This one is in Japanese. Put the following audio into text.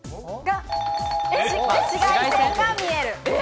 紫外線が見える。